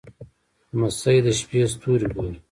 لمسی د شپې ستوري ګوري.